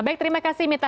baik terima kasih mita